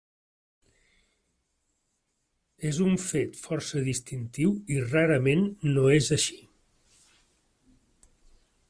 És un fet força distintiu i rarament no és així.